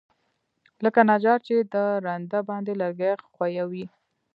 لکه نجار چې په رنده باندى لرګى ښويوي.